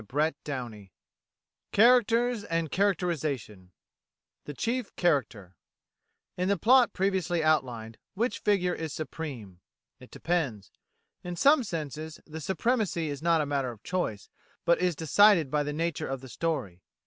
CHAPTER IV CHARACTERS AND CHARACTERISATION The Chief Character In the plot previously outlined, which figure is supreme? It depends. In some senses the supremacy is not a matter of choice, but is decided by the nature of the story.